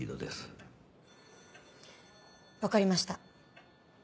わかりました。